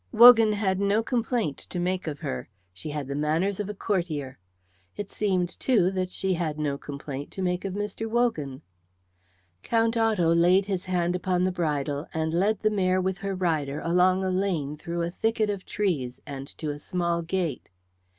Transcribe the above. Wogan had no complaint to make of her. She had the manners of a courtier. It seemed, too, that she had no complaint to make of Mr. Wogan. Count Otto laid his hand upon the bridle and led the mare with her rider along a lane through a thicket of trees and to a small gate.